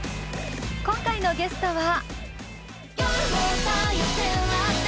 今回のゲストは。